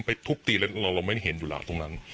ทุบตีแล้วเราไม่ได้เห็นอยู่แล้วตรงนั้น